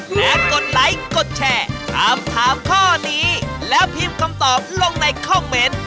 และกดไลค์กดแชร์ถามถามข้อนี้แล้วพิมพ์คำตอบลงในคอมเมนต์